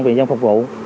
viện dân phục vụ